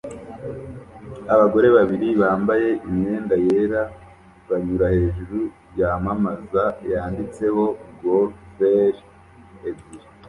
Abagore babiri bambaye imyenda yera banyura hejuru yamamaza yanditseho golferi ebyiri